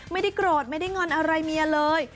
ไม่ได้โกรธไม่ได้งอนอะไรเมียเลย